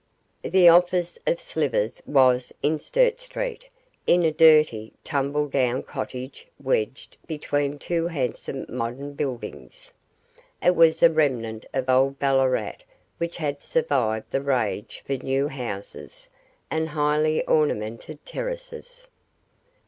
The office of Slivers was in Sturt Street, in a dirty, tumble down cottage wedged between two handsome modern buildings. It was a remnant of old Ballarat which had survived the rage for new houses and highly ornamented terraces.